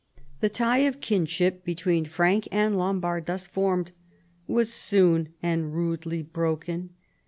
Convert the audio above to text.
The tie of kinship between Frank and Lombard, thus formed, was soon and rudely broken.